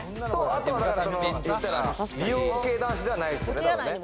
美容系男子ではないですよね。